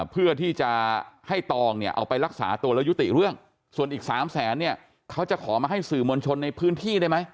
เพื่อที่จะให้ตองเนี่ยเอาไปรักษาตัวแล้วยุติเรื่องส่วนอีก๓แสนเนี่ยเขาจะขอมาให้สื่อมวลชนในพื้นที่ได้ไหม